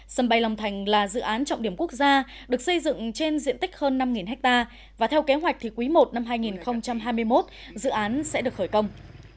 sân bay long thành là dự án trọng điểm quốc gia được xây dựng trên diện tích hơn năm ha và theo kế hoạch thì quý i năm hai nghìn hai mươi một dự án sẽ được khởi công